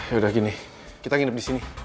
yaudah gini kita nginep disini